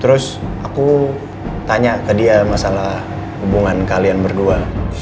terus aku tanya ke dia masalah hubungan kalian berdua